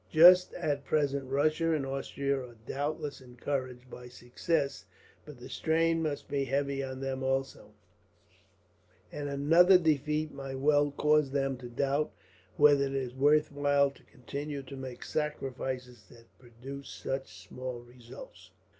Just at present Russia and Austria are doubtless encouraged by success; but the strain must be heavy on them also, and another defeat might well cause them to doubt whether it is worthwhile to continue to make sacrifices that produce such small results."